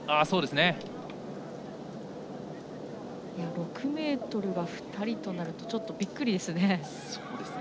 ６ｍが２人となるとびっくりですね。